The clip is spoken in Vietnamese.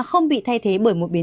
không bị thay thế bởi mục đích